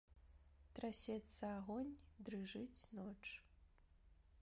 Трасецца агонь, дрыжыць ноч.